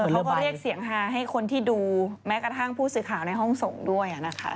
เขาก็เรียกเสียงฮาให้คนที่ดูแม้กระทั่งผู้สื่อข่าวในห้องส่งด้วยนะคะ